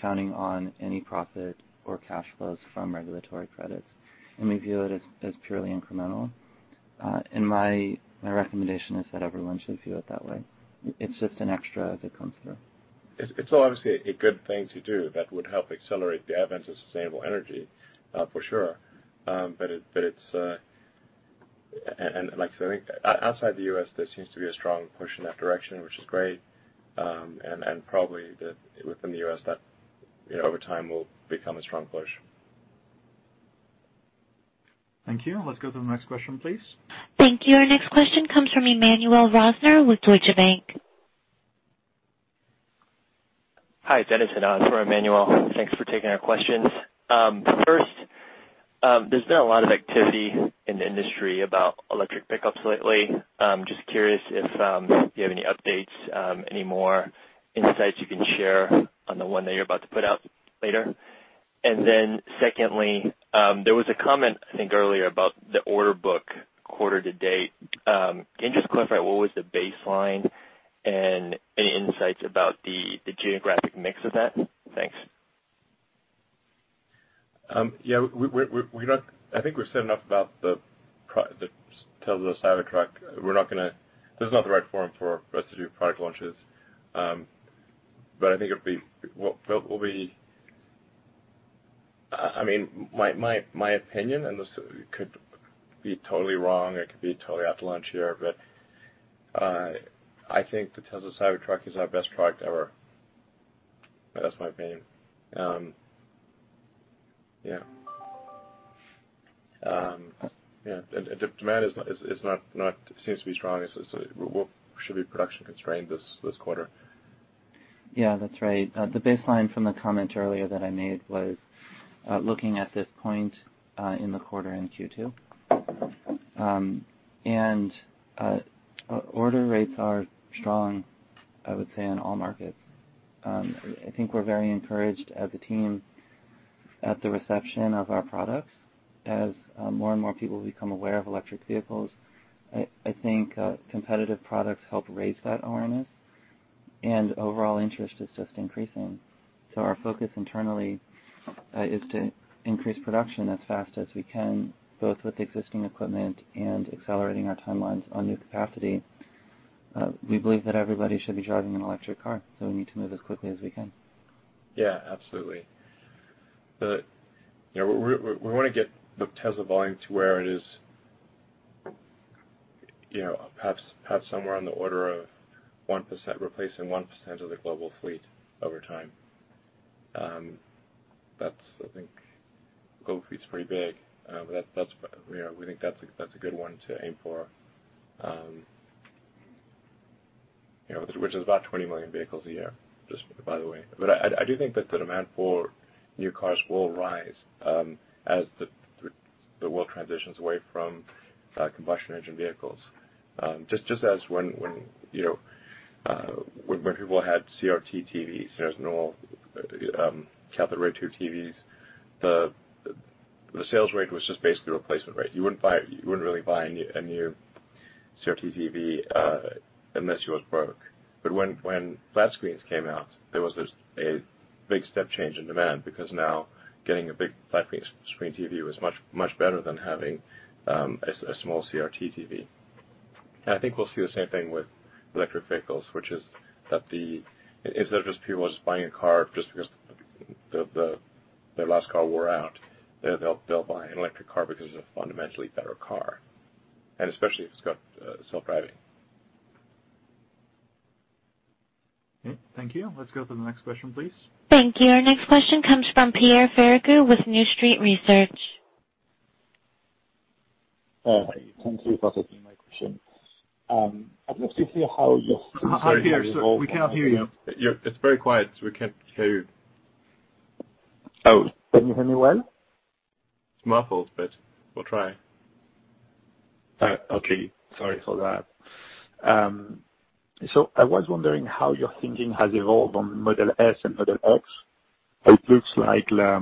S4: counting on any profit or cash flows from regulatory credits. We view it as purely incremental. My recommendation is that everyone should view it that way. It's just an extra as it comes through.
S3: It's obviously a good thing to do that would help accelerate the advent of sustainable energy, for sure. Outside the U.S., there seems to be a strong push in that direction, which is great. Probably within the U.S. that over time will become a strong push.
S2: Thank you. Let's go to the next question, please.
S1: Thank you. Our next question comes from Emmanuel Rosner with Deutsche Bank.
S9: Hi, it's [Dennis Sin] on for Emmanuel. Thanks for taking our questions. First, there's been a lot of activity in the industry about electric pickups lately. Just curious if you have any updates, any more insights you can share on the one that you're about to put out later. Secondly, there was a comment, I think, earlier about the order book quarter to date. Can you just clarify what was the baseline and any insights about the geographic mix of that? Thanks.
S3: Yeah. I think we've said enough about the Tesla Cybertruck. This is not the right forum for us to do product launches. My opinion, and this could be totally wrong, it could be totally out to lunch here, but I think the Tesla Cybertruck is our best product ever. That's my opinion. Yeah. Demand seems to be strong. We should be production constrained this quarter.
S4: Yeah, that's right. The baseline from the comment earlier that I made was looking at this point in the quarter in Q2. Order rates are strong, I would say, in all markets. I think we're very encouraged as a team at the reception of our products. As more and more people become aware of electric vehicles, I think competitive products help raise that awareness and overall interest is just increasing. Our focus internally is to increase production as fast as we can, both with existing equipment and accelerating our timelines on new capacity. We believe that everybody should be driving an electric car, so we need to move as quickly as we can.
S3: Yeah, absolutely. We want to get the Tesla volume to where it is perhaps somewhere on the order of replacing 1% of the global fleet over time. The global fleet's pretty big, but we think that's a good one to aim for, which is about 20 million vehicles a year, just by the way. I do think that the demand for new cars will rise as the world transitions away from combustion engine vehicles. Just as when people had CRT TVs, there's normal cathode ray tube TVs, the sales rate was just basically a replacement rate. You wouldn't really buy a new CRT TV unless yours broke. When flat screens came out, there was a big step change in demand, because now getting a big flat screen TV was much better than having a small CRT TV. I think we'll see the same thing with electric vehicles, which is that instead of people just buying a car just because their last car wore out, they'll buy an electric car because it's a fundamentally better car, and especially if it's got self-driving. Okay, thank you. Let's go to the next question, please.
S1: Thank you. Our next question comes from Pierre Ferragu with New Street Research.
S10: Thank you for taking my question.
S3: Hi, Pierre. We can't hear you. It's very quiet, so we can't hear you.
S10: Oh, can you hear me well?
S3: It's muffled, but we'll try.
S10: Okay. Sorry for that. I was wondering how your thinking has evolved on Model S and Model X. It looks like the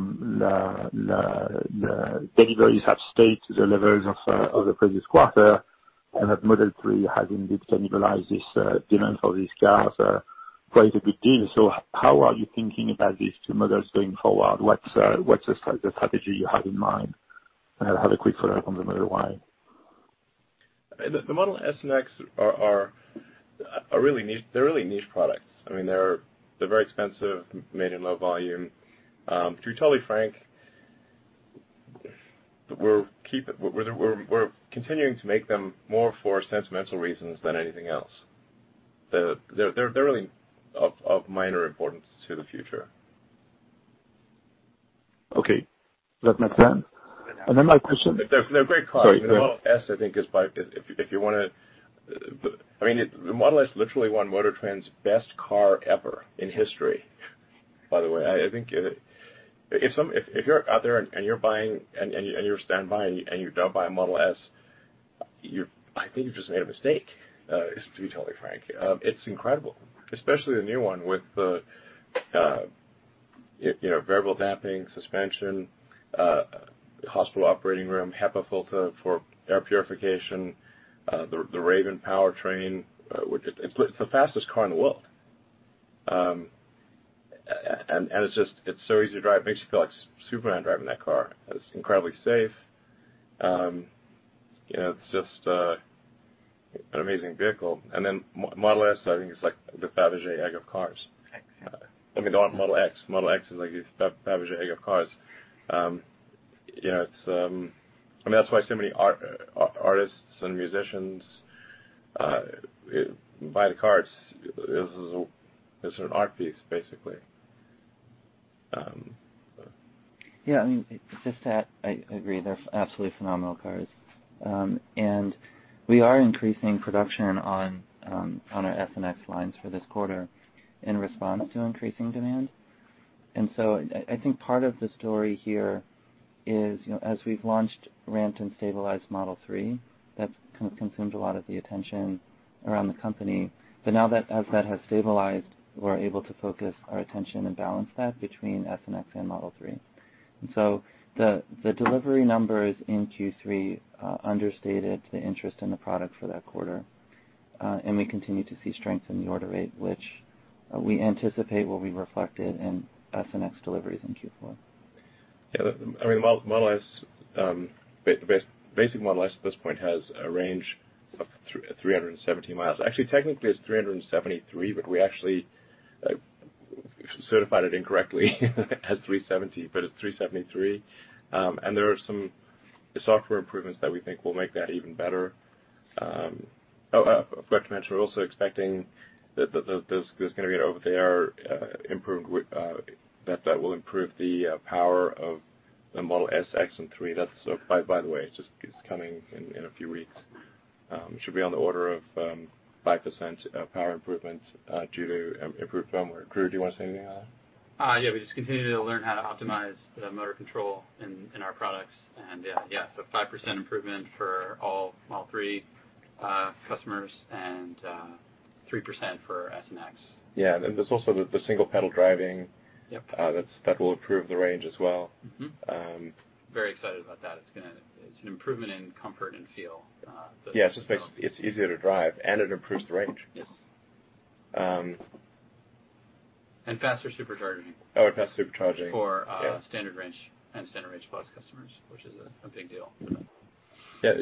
S10: deliveries have stayed to the levels of the previous quarter, and that Model 3 has indeed cannibalized this demand for these cars quite a good deal. How are you thinking about these two models going forward? What's the strategy you have in mind? I have a quick follow-up on the Model Y.
S3: The Model S and X, they're really niche products. They're very expensive, made in low volume. To be totally frank, we're continuing to make them more for sentimental reasons than anything else. They're really of minor importance to the future.
S10: Okay. That makes sense.
S3: They're great cars.
S10: Sorry, go ahead.
S3: The Model S literally won MotorTrend's best car ever in history, by the way. I think if you're out there and you're buying, and you stand by and you don't buy a Model S, I think you've just made a mistake, to be totally frank. It's incredible, especially the new one with the variable damping suspension, hospital operating room HEPA filter for air purification, the Raven powertrain. It's the fastest car in the world. It's just so easy to drive. It makes you feel like Superman driving that car. It's incredibly safe. It's just an amazing vehicle. Model S, I think it's like the Fabergé egg of cars. I mean, the Model X. Model X is like the Fabergé egg of cars. That's why so many artists and musicians buy the cars. It's an art piece, basically.
S4: Yeah, I agree. They're absolutely phenomenal cars. We are increasing production on our S and X lines for this quarter in response to increasing demand. I think part of the story here is as we've launched, ramped, and stabilized Model 3, that's consumed a lot of the attention around the company. Now as that has stabilized, we're able to focus our attention and balance that between S and X and Model 3. The delivery numbers in Q3 understated the interest in the product for that quarter. We continue to see strength in the order rate, which we anticipate will be reflected in S and X deliveries in Q4.
S3: Yeah. Basic Model S at this point has a range of 370 miles. Actually, technically it's 373, but we actually certified it incorrectly as 370, but it's 373. There are some software improvements that we think will make that even better. I forgot to mention, we're also expecting that there's going to be an over-the-air improvement that will improve the power of the Model S, X, and 3. That, by the way, it's coming in a few weeks. Should be on the order of 5% power improvement due to improved firmware. Drew, do you want to say anything on that?
S11: Yeah, we just continue to learn how to optimize the motor control in our products. 5% improvement for all Model 3 customers and 3% for S and X.
S3: Yeah, there's also the single pedal driving.
S11: Yep.
S3: That will improve the range as well.
S11: Very excited about that. It's an improvement in comfort and feel.
S3: Yeah, it's easier to drive and it improves the range.
S11: Yes. faster Supercharger.
S3: Oh, faster Supercharger.
S11: For Standard Range and Standard Range Plus customers, which is a big deal.
S3: Yeah.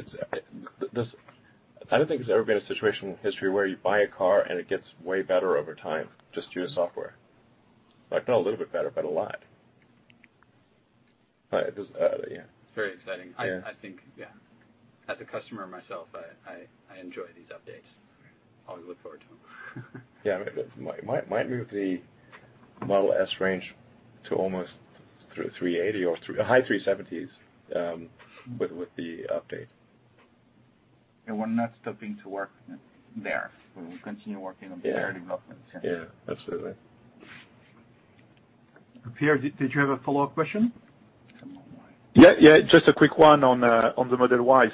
S3: I don't think there's ever been a situation in history where you buy a car and it gets way better over time, just due to software. Not a little bit better, but a lot. Yeah.
S11: It's very exciting.
S3: Yeah.
S11: I think, yeah. As a customer myself, I enjoy these updates. Always look forward to them.
S3: Yeah. It might move Model S range to almost through 380 or high 370s with the update.
S4: We're not stopping to work there.
S3: Yeah
S4: development.
S3: Yeah, absolutely.
S2: Pierre, did you have a follow-up question?
S10: Yeah. Just a quick one on the Model Y.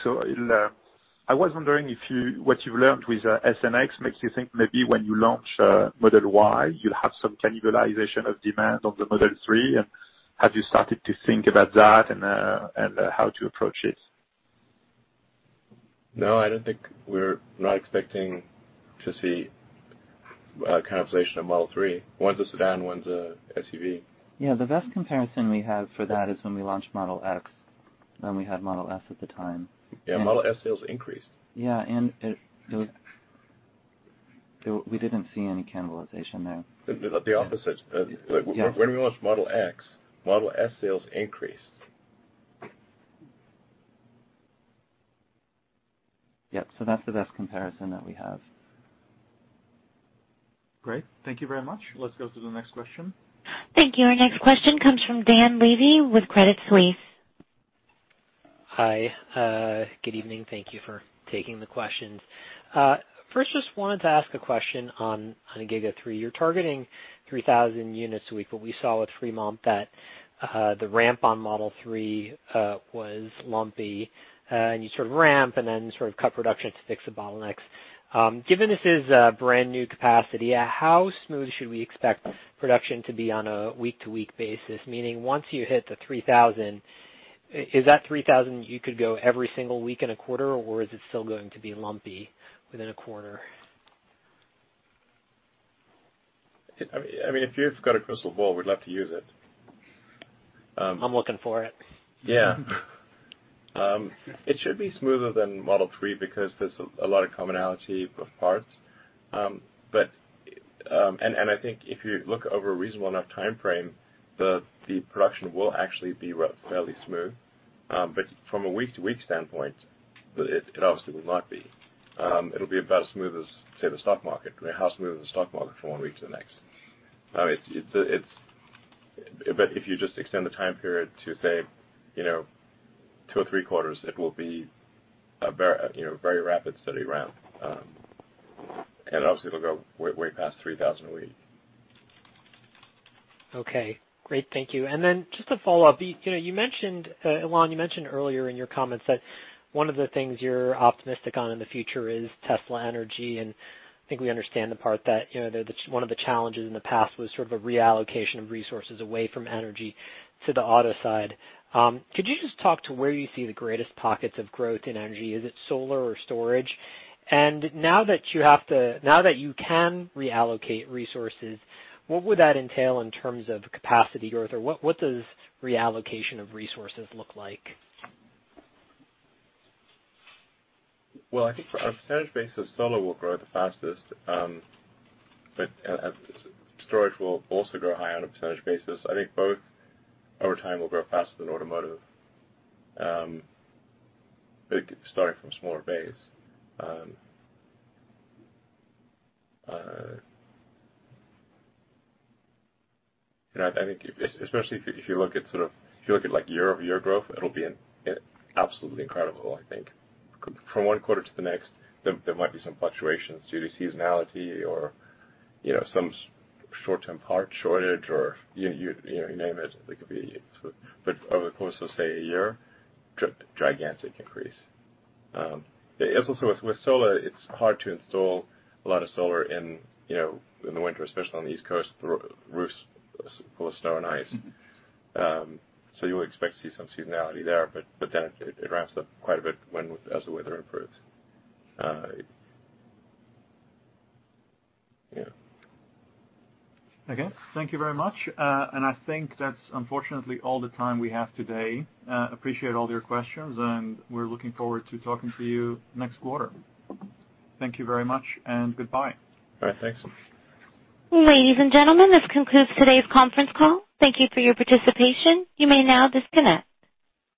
S10: I was wondering if what you've learned with S and X makes you think maybe when you launch Model Y, you'll have some cannibalization of demand on the Model 3, and have you started to think about that and how to approach it?
S3: No, I don't think we're not expecting to see cannibalization of Model 3. One's a sedan, one's a SUV.
S4: Yeah, the best comparison we have for that is when we launched Model X, when we had Model S at the time.
S3: Yeah, Model S sales increased.
S4: Yeah, we didn't see any cannibalization there.
S3: The opposite.
S4: Yeah.
S3: When we launched Model X, Model S sales increased.
S4: Yeah. That's the best comparison that we have.
S2: Great. Thank you very much. Let's go to the next question.
S1: Thank you. Our next question comes from Dan Levy with Credit Suisse.
S12: Hi. Good evening. Thank you for taking the questions. First, just wanted to ask a question on Giga 3. You're targeting 3,000 units a week. We saw with Fremont that the ramp on Model 3 was lumpy. You sort of ramp and then sort of cut production to fix the bottlenecks. Given this is a brand new capacity, how smooth should we expect production to be on a week-to-week basis? Meaning once you hit the 3,000, is that 3,000 you could go every single week in a quarter or is it still going to be lumpy within a quarter?
S3: If you've got a crystal ball, we'd love to use it.
S12: I'm looking for it.
S3: Yeah. It should be smoother than Model 3 because there's a lot of commonality of parts. I think if you look over a reasonable enough time frame, the production will actually be fairly smooth. From a week-to-week standpoint, it obviously will not be. It'll be about as smooth as, say, the stock market, how smooth is the stock market from one week to the next. If you just extend the time period to, say, two or three quarters, it will be a very rapid, steady ramp. Obviously, it'll go way past 3,000 a week.
S12: Okay. Great, thank you. Then just a follow-up. Elon, you mentioned earlier in your comments that one of the things you're optimistic on in the future is Tesla Energy, and I think we understand the part that one of the challenges in the past was sort of a reallocation of resources away from energy to the auto side. Could you just talk to where you see the greatest pockets of growth in energy? Is it solar or storage? Now that you can reallocate resources, what would that entail in terms of capacity growth, or what does reallocation of resources look like?
S3: Well, I think on a percentage basis, Solar will grow the fastest. Storage will also grow high on a percentage basis. I think both, over time, will grow faster than automotive, but starting from a smaller base. I think, especially if you look at year-over-year growth, it'll be absolutely incredible, I think. From one quarter to the next, there might be some fluctuations due to seasonality or some short-term part shortage or you name it. Over the course of, say, a year, gigantic increase. Also with Solar, it's hard to install a lot of Solar in the winter, especially on the East Coast. The roof's full of snow and ice. You would expect to see some seasonality there, it ramps up quite a bit as the weather improves. Yeah.
S2: Okay. Thank you very much. I think that's unfortunately all the time we have today. Appreciate all your questions, and we're looking forward to talking to you next quarter. Thank you very much, and goodbye.
S3: All right, thanks.
S1: Ladies and gentlemen, this concludes today's conference call. Thank you for your participation. You may now disconnect.